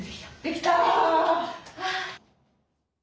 できた。